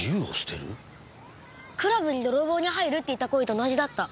「クラブに泥棒に入る」って言った声と同じだった。